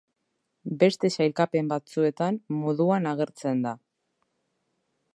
Beste sailkapen batzuetan moduan agertzen da.